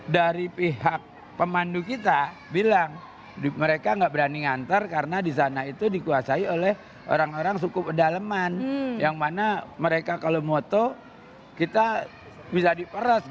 dari pihak pemandu kita bilang mereka nggak berani ngantar karena di sana itu dikuasai oleh orang orang suku pedaleman yang mana mereka kalau moto kita bisa diperas